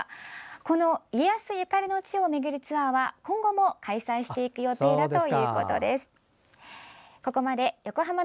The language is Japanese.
この家康ゆかりの地を巡るツアーは今後も開催していく予定だということです。